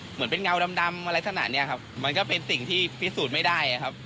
เหมือนเป็นเงาดำอะไรขนาดนี้ครับมันก็เป็นสิ่งที่พิสูจน์ไม่ได้ครับ